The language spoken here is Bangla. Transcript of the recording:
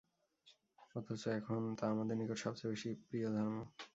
অথচ এখন তা আমার নিকট সবচেয়ে প্রিয় ধর্ম।